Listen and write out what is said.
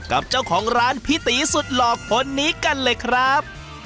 กับเจ้าของร้านพี่ตีสุดหลอกคนนี้กันเลยครับ